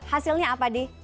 hasilnya apa di